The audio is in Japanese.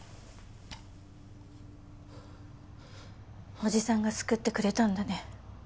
おじさんが救ってくれたんだね。